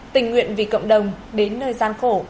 tình nguyện vì cộng đồng đến nơi gian khổ